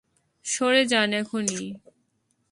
সরে যান এখনই।